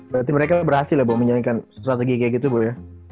berarti mereka berhasil ya buat menjalinkan strategi kayak gitu ya